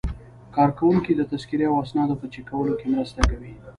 کارکوونکي د تذکرې او اسنادو په چک کولو کې مرسته کوي.